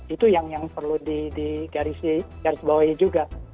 itu yang perlu digaris bawahi juga